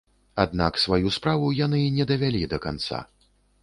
Аднак сваю справу яны не давялі да канца.